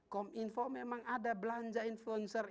kom info memang ada belanja influencer